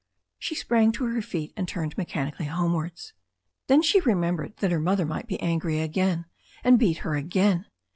She sprang to her feet, and turned mechanically homewards. Then she remembered that her mother might be angry again and beat her again.